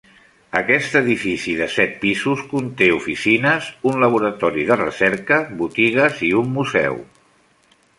Aquest edifici de set pisos conté oficines, un laboratori de recerca, botigues i un museu.